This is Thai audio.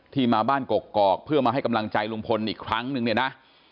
มาบ้านกกอกเพื่อมาให้กำลังใจลุงพลอีกครั้งนึงเนี่ยนะ